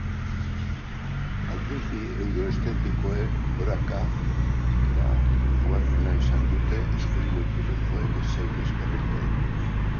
Alderdi euroeszeptikoek gorakada nabarmena izan dute, eskuin muturrekoek zein ezkerrekoek.